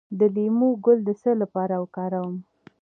د لیمو ګل د څه لپاره وکاروم؟